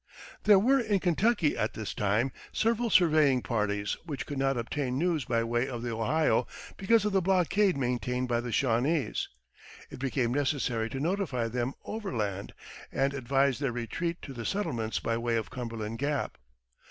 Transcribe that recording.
There were in Kentucky, at this time, several surveying parties which could not obtain news by way of the Ohio because of the blockade maintained by the Shawnese. It became necessary to notify them overland, and advise their retreat to the settlements by way of Cumberland Gap.